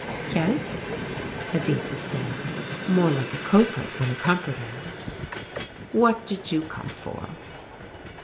"Yes," Editha said, more like a culprit than a comforter. "What did you come for?"